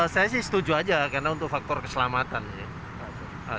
saya sih setuju aja karena untuk faktor keselamatan sih